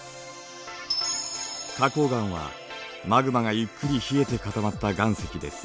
花こう岩はマグマがゆっくり冷えて固まった岩石です。